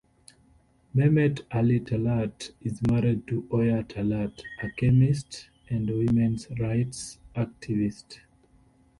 Mehmet Ali Talat is married to Oya Talat, a chemist and women's rights activist.